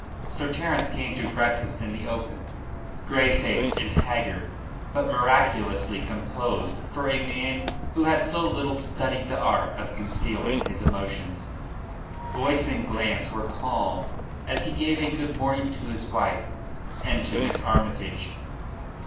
Sir Terence came to breakfast in the open, grey faced and haggard, but miraculously composed for a man who had so little studied the art of concealing his emotions. Voice and glance were calm as he gave a good morning to his wife and to Miss Armytage.